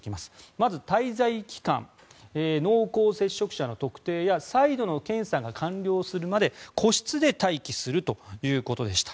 まず、滞在期間濃厚接触者の特定や再度の検査が完了するまで個室で待機するということでした。